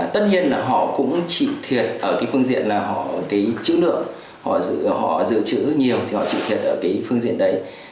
tất nhiên là họ cũng trị thiệt ở cái phương diện là họ cái chữ lượng họ giữ chữ nhiều thì họ trị thiệt ở cái phương diện đấy